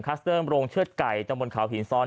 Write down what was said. คัสเติร์มโรงเชื้อดไก่ตะบนเขาหินซ้อน